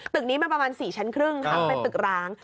ตึกนี้มันประมาณ๔ชั้นครึ่งค่ะเป็นตึกร้าง